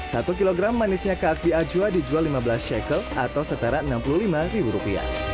satu kilogram manisnya kaakbi ajwa dijual rp lima belas checkel atau setara rp enam puluh lima